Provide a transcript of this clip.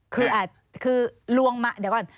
คือลวงมาเดี๋ยวก่อน